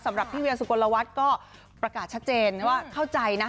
สำหรับพี่เวียสุกลวัฒน์ก็ประกาศชัดเจนว่าเข้าใจนะ